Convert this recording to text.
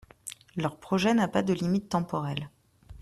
Leur projet n’a pas de limite temporelle.